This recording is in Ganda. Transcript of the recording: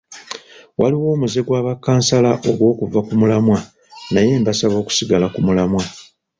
Waliwo omuze gwa bakkansala ogw'okuva ku mulamwa naye mbasaba okusigala ku mulamwa.